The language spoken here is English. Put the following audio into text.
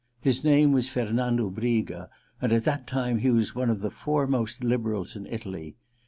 His name was Fernando Briga, and at that time he was one of the foremost liberals in Italy.